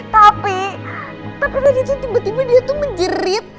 tapi tadi tuh tiba tiba dia tuh menjerit